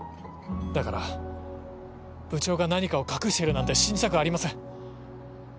だから部長が何かを隠してるなんて信じたくありません。